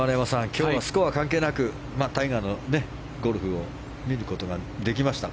今日はスコア関係なくタイガーのゴルフを見ることができました